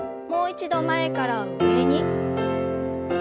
もう一度前から上に。